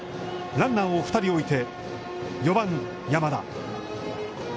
ランナーを２人置いて、４番山田。